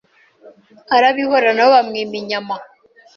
Arabihorera na bo bamwima inyama